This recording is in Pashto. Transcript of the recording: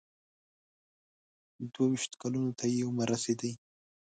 دوه ویشتو کلونو ته یې عمر رسېدی.